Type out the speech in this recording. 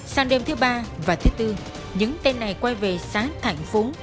sáng đêm thứ ba và thứ tư những tên này quay về sát thành phố